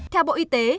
theo bộ y tế